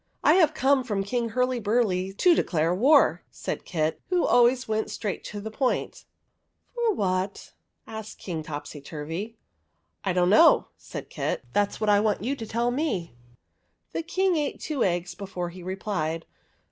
" I have come from King Hurlyburly to declare war," said Kit, who always went straight to the point. '' What for ?" asked King Topsyturvy. " I don't know," said Kit. '' That 's what I want you to tell me." The King ate two eggs before he replied.